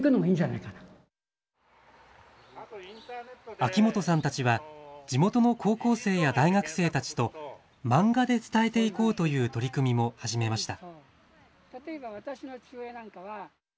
秋本さんたちは地元の高校生や大学生たちと漫画で伝えていこうという取り組みも始めました。